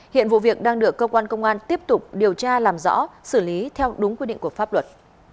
hiện vụ việc đang được cơ quan công an tiếp tục điều tra làm rõ xử lý theo đúng quy định của pháp luật